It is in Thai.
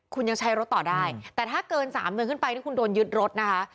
คุณยังใช้รถต่อได้แต่ถ้าเกิน๓เดือนขึ้นไปที่คุณโดนยึดรถนะคะ